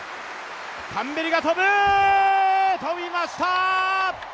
タンベリが跳ぶ、跳びました！